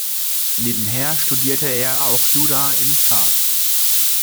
Nebenher studierte er auch Jura in Prag.